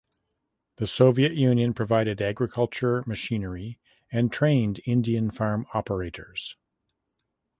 The Soviet Union provided agriculture machinery and trained Indian farm operators.